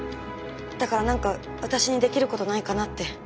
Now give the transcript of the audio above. だから何か私にできることないかなって。